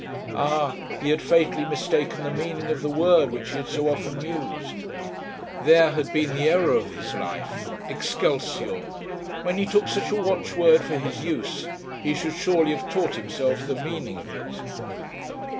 Ah! he had fatally mistaken the meaning of the word which he had so often used. There had been the error of his life. 'Excelsior!' When he took such a watchword for his use, he should surely have taught himself the meaning of it.